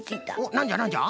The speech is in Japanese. なんじゃなんじゃ？